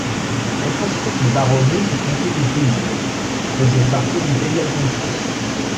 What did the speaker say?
Elle constituait une baronnie du comté de Guînes, faisait partie du Pays-Reconquis.